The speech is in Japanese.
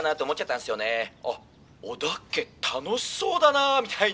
あっ織田家楽しそうだなみたいな」。